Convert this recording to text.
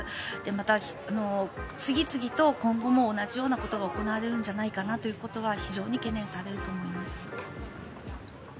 また、次々と今後も同じようなことが行われるんじゃないかなということは非常に懸念されると思います。